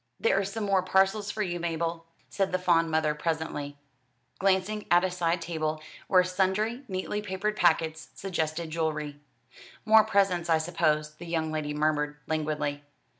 "There are some more parcels for you, Mabel," said the fond mother presently, glancing at a side table, where sundry neatly papered packets suggested jewellery. "More presents, I suppose," the young lady murmured languidly.